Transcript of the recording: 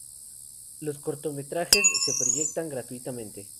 Los cortometrajes se proyectan gratuitamente.